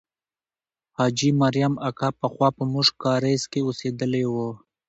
حاجي مریم اکا پخوا په موشک کارېز کې اوسېدلې وه.